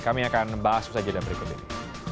kami akan bahas usaha jeda berikut ini